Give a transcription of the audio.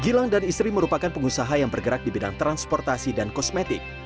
gilang dan istri merupakan pengusaha yang bergerak di bidang transportasi dan kosmetik